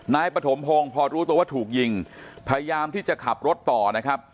ปฐมพงศ์พอรู้ตัวว่าถูกยิงพยายามที่จะขับรถต่อนะครับ